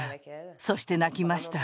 そして泣きました。